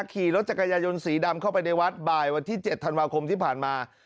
ขี่รถจักรยายนสีดำเข้าไปในวัดบ่ายวันที่๗ธันวาคมที่ผ่านมา